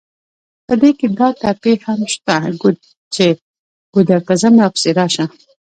په دې کې دا ټپې هم شته چې: ګودر ته ځم راپسې راشه.